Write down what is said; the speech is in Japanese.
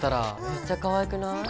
めっちゃかわいい！